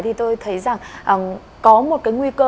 thì tôi thấy rằng có một cái nguy cơ